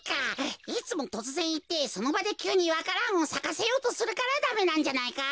いつもとつぜんいってそのばできゅうにわか蘭をさかせようとするからダメなんじゃないか？